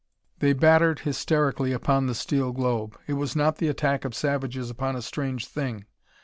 They battered hysterically upon the steel globe. It was not the attack of savages upon a strange thing.